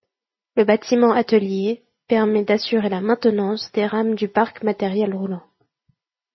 Le bâtiment atelier permet d'assurer la maintenance des rames du parc matériel roulant.